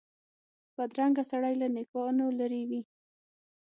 بدرنګه سړی له نېکانو لرې وي